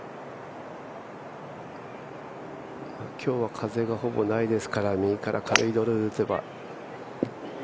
今日は風がほぼないですから、右から打てば。